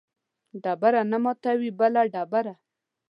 ډبره نه ماتوي بله ډبره